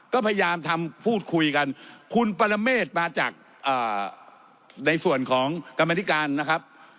ก็พยายามทำพูดคุยกันคุณปรเมฆมาจากในส่วนของกรรมธิการนะครับ